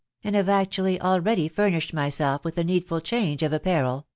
* and hate actually already furnished myself with a needful change of apparel